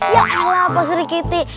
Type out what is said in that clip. ya allah pak serikiti